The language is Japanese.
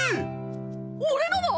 俺のも？